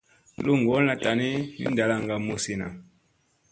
Luu ngolla tani ni ndalanga musinna.